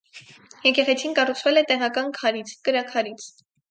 Եկեղեցին կառուցվել է տեղական քարից՝ կրաքարից։